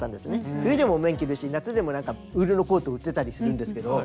冬でも綿着るし夏でもウールのコート売ってたりするんですけど。